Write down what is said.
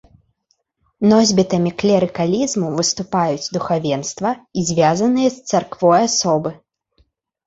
Носьбітамі клерыкалізму выступаюць духавенства і звязаныя з царквой асобы.